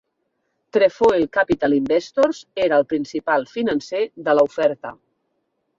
Trefoil Capital Investors era el principal financer de la oferta.